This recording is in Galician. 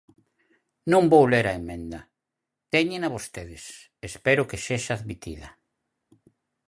Non vou ler a emenda, téñena vostedes, espero que sexa admitida.